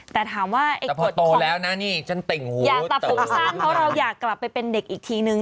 แต่ถามว่าอยากตัดผมสั้นเพราะเราอยากกลับไปเป็นเด็กอีกทีนึง